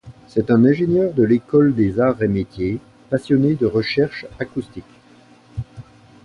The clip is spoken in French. C'est un ingénieur de l'école des Arts et métiers passionné de recherches acoustiques.